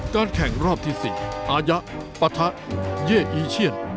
การแข่งรอบที่๔อาญาปัทธาเย้อีเชศ